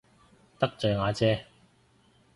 得罪阿姐